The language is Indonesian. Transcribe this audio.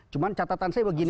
cuma catatan saya begini